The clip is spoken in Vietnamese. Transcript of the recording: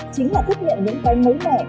chính là thực hiện những cái mới mẻ